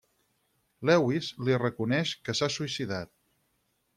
Lewis li reconeix que s'ha suïcidat.